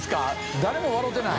誰も笑ってない。